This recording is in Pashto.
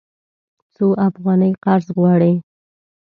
څو افغانۍ قرض غواړې؟